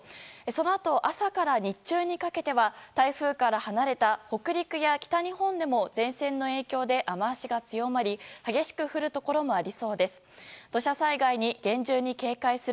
そのあと朝から日中にかけては台風から離れた北陸や北日本でも前線の影響で雨脚が強まり激しく降るところもありそうです。